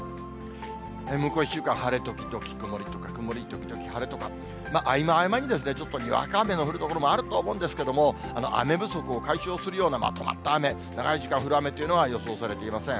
向こう１週間、晴れ時々曇りとか、曇り時々晴れとか、合間合間に、ちょっとにわか雨の降る所もあると思うんですけれども、雨不足を解消するようなまとまった雨、長い時間降る雨というのは予想されていません。